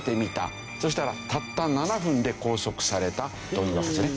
そしたらたった７分で拘束されたというわけですね。